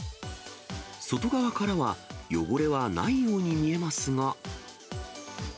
外側からは汚れはないように見えますが。